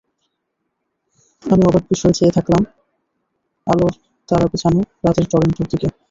আমি অবাক বিস্ময়ে চেয়ে থাকলাম আলোর তারা বিছানো রাতের টরন্টোর দিকে।